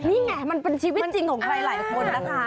นี่ไงมันเป็นชีวิตจริงของใครหลายคนนะคะ